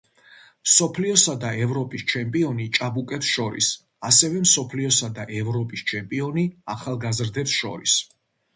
მსოფლიოსა და ევროპის ჩემპიონი ჭაბუკებს შორის, ასევე მსოფლიოსა და ევროპის ჩემპიონი ახალგაზრდებს შორის.